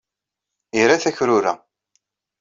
Ira takrura.